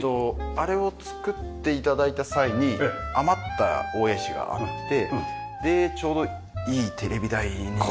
あれを作って頂いた際に余った大谷石があってでちょうどいいテレビ台になるなと思って。